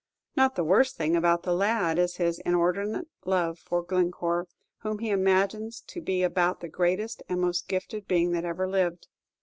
Not the worst thing about the lad is his inordinate love for Glencore, whom he imagines to be about the greatest and most gifted being that ever lived.